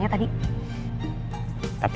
jen tak mungkin mati